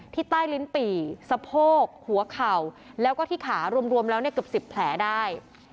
ที่ใต้ลิ้นติสะโพกหัวเข่าแล้วก็ที่ขารวมแล้วเนี่ยเกือบสิบแผลได้